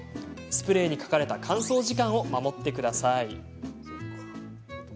スプレーに書かれた乾燥時間を守ってください。